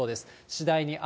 次第に雨。